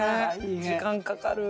時間かかる。